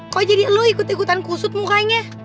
kok jadi lu ikut ikutan kusut mukanya